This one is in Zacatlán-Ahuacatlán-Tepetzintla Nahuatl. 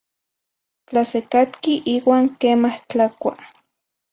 Tla secatqui iuan quemah tlacua.